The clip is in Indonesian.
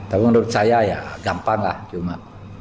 tapi menurut saya ya gampang lah cuma